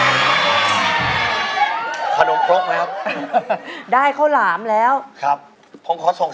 อุ๊ยไปแล้วก็ไม่บอกพี่